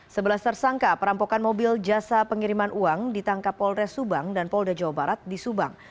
sebelas tersangka perampokan mobil jasa pengiriman uang ditangkap polres subang dan polda jawa barat di subang